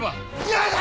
やだ！